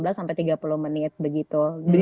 empat belas sampai tiga puluh menit begitu